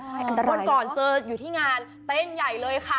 วันก่อนเจออยู่ที่งานเต้นใหญ่เลยค่ะ